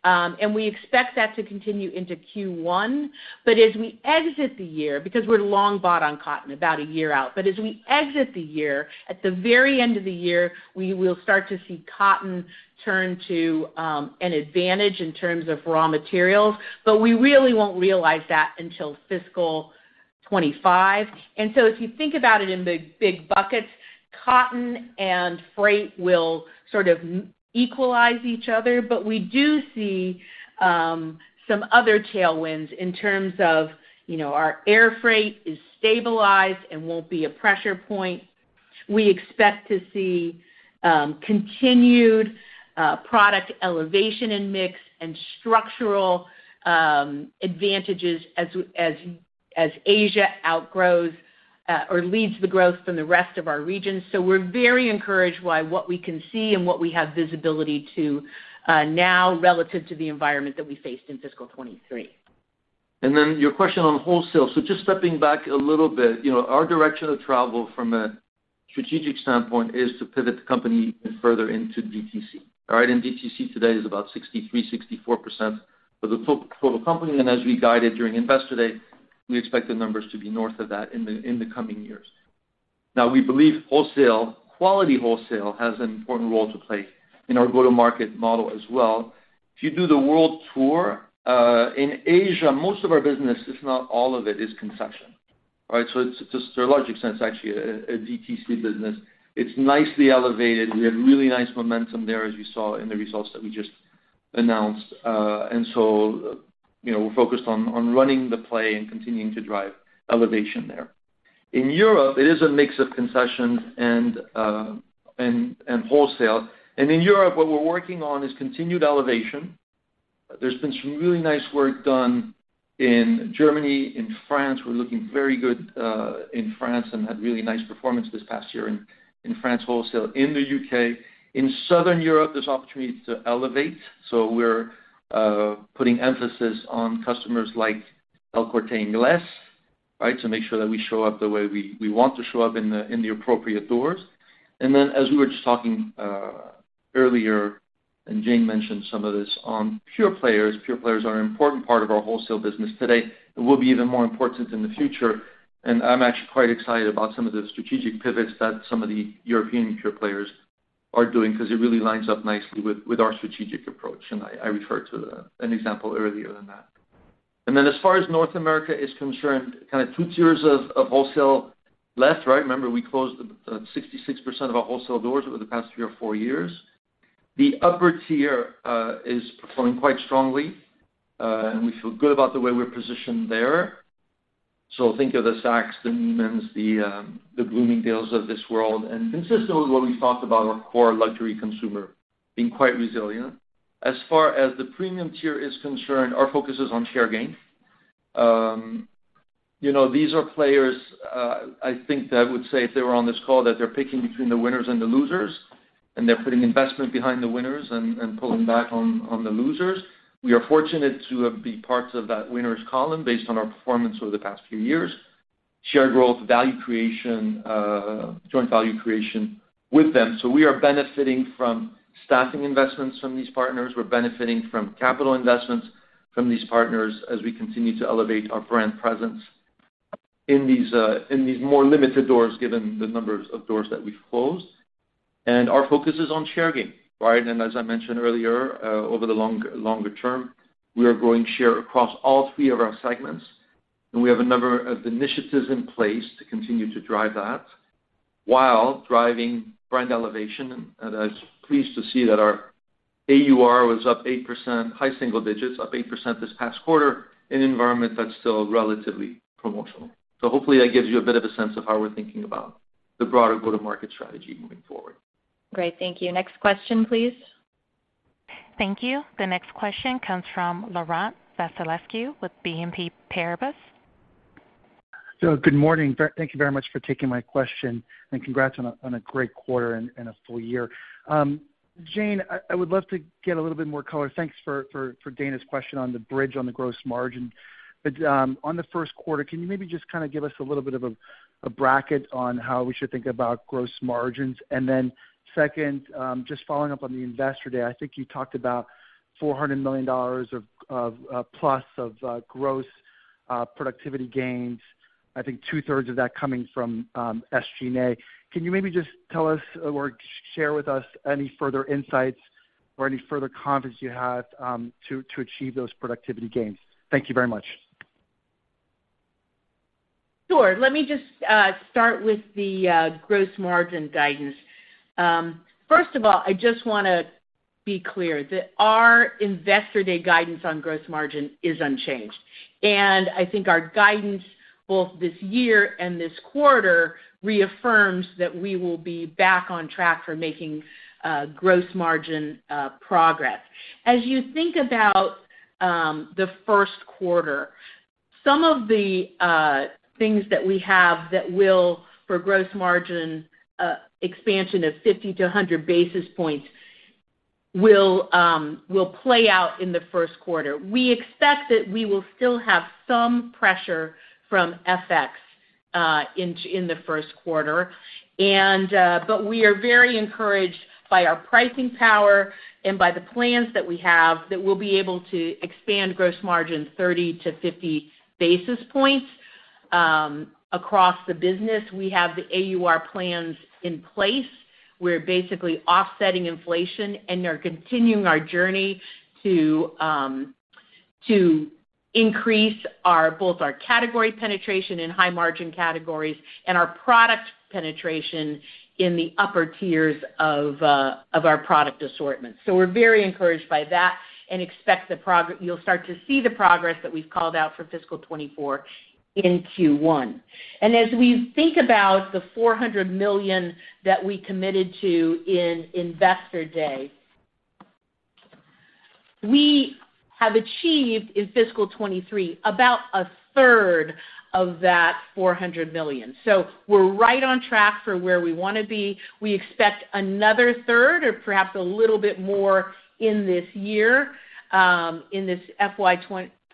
and we expect that to continue into Q1. As we exit the year, because we're long bought on cotton about a year out, but as we exit the year, at the very end of the year, we will start to see cotton turn to an advantage in terms of raw materials. We really won't realize that until fiscal 2025. If you think about it in big, big buckets, cotton and freight will sort of equalize each other. We do see some other tailwinds in terms of, you know, our air freight is stabilized and won't be a pressure point. We expect to see continued product elevation in mix and structural advantages as Asia outgrows or leads the growth from the rest of our regions. We're very encouraged by what we can see and what we have visibility to, now relative to the environment that we faced in fiscal 2023. Your question on wholesale. Just stepping back a little bit, you know, our direction of travel from a strategic standpoint is to pivot the company further into DTC. All right? DTC today is about 63%, 64% for the total company, and as we guided during Investor Day, we expect the numbers to be north of that in the coming years. We believe wholesale, quality wholesale, has an important role to play in our go-to-market model as well. If you do the world tour, in Asia, most of our business, if not all of it, is concession. All right? It's, just in a logical sense, actually a DTC business. It's nicely elevated. We have really nice momentum there, as you saw in the results that we just announced. You know, we're focused on running the play and continuing to drive elevation there. In Europe, it is a mix of concession and wholesale. In Europe, what we're working on is continued elevation. There's been some really nice work done in Germany, in France. We're looking very good in France and had really nice performance this past year in France wholesale, in the U.K. In Southern Europe, there's opportunities to elevate, so we're putting emphasis on customers like El Corte Inglés, right? To make sure that we show up the way we want to show up in the appropriate doors. As we were just talking earlier, and Jane mentioned some of this on pure players. Pure players are an important part of our wholesale business today, and will be even more important in the future. I'm actually quite excited about some of the strategic pivots that some of the European pure players are doing, 'cause it really lines up nicely with our strategic approach, and I referred to an example earlier than that. Then as far as North America is concerned, kind of two tiers of wholesale left, right? Remember, we closed 66% of our wholesale doors over the past three or four years. The upper tier is performing quite strongly, and we feel good about the way we're positioned there. Think of the Saks, the Neiman's, the Bloomingdale's of this world. Consistently what we've talked about, our core luxury consumer being quite resilient. As far as the premium tier is concerned, our focus is on share gain. you know, these are players, I think that I would say, if they were on this call, that they're picking between the winners and the losers, and they're putting investment behind the winners and pulling back on the losers. We are fortunate to be parts of that winners column based on our performance over the past few years. Shared growth, value creation, joint value creation with them. We are benefiting from staffing investments from these partners. We're benefiting from capital investments from these partners as we continue to elevate our brand presence in these in these more limited doors, given the numbers of doors that we've closed. Our focus is on share gain, right? As I mentioned earlier, over the longer term, we are growing share across all three of our segments, and we have a number of initiatives in place to continue to drive that, while driving brand elevation. I was pleased to see that our AUR was up 8%, high single digits, up 8% this past quarter, in an environment that's still relatively promotional. Hopefully, that gives you a bit of a sense of how we're thinking about the broader go-to-market strategy moving forward. Great, thank you. Next question, please. Thank you. The next question comes from Laurent Vasilescu with BNP Paribas. Good morning. Thank you very much for taking my question, and congrats on a great quarter and a full year. Jane, I would love to get a little bit more color. Thanks for Dana's question on the bridge, on the gross margin. On the first quarter, can you maybe just kinda give us a little bit of a bracket on how we should think about gross margins? Second, just following up on the Investor Day, I think you talked about $400 million+ of gross productivity gains, I think two-thirds of that coming from SG&A. Can you maybe just tell us or share with us any further insights or any further confidence you have to achieve those productivity gains? Thank you very much. Sure. Let me just start with the gross margin guidance. First of all, I just wanna be clear that our Investor Day guidance on gross margin is unchanged. I think our guidance, both this year and this quarter, reaffirms that we will be back on track for making gross margin progress. As you think about the first quarter, some of the things that we have that will, for gross margin, expansion of 50 to 100 basis points, will play out in the first quarter. We expect that we will still have some pressure from FX in the first quarter. But we are very encouraged by our pricing power and by the plans that we have, that we'll be able to expand gross margin 30 to 50 basis points across the business. We have the AUR plans in place. We're basically offsetting inflation and are continuing our journey to increase our, both our category penetration in high margin categories and our product penetration in the upper tiers of our product assortment. We're very encouraged by that and expect you'll start to see the progress that we've called out for fiscal 2024 in Q1. As we think about the $400 million that we committed to in Investor Day, we have achieved, in fiscal 2023, about a third of that $400 million. We're right on track for where we wanna be. We expect another third or perhaps a little bit more in this year, in this FY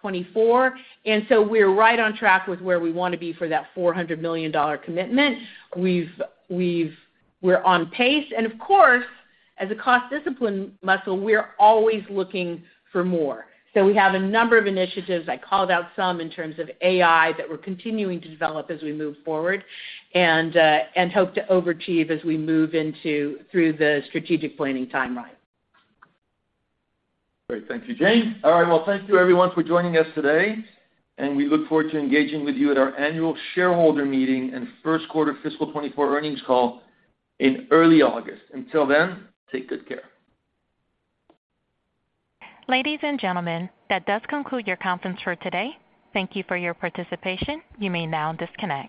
2024. We're right on track with where we wanna be for that $400 million commitment. We're on pace. Of course, as a cost discipline muscle, we're always looking for more. We have a number of initiatives. I called out some in terms of AI, that we're continuing to develop as we move forward, and hope to overachieve as we move into, through the strategic planning timeline. Great. Thank you, Jane. All right, well, thank you everyone for joining us today. We look forward to engaging with you at our annual shareholder meeting and first quarter fiscal 2024 earnings call in early August. Until then, take good care. Ladies and gentlemen, that does conclude your conference for today. Thank you for your participation. You may now disconnect.